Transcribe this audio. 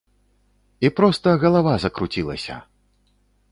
І проста галава закруцілася!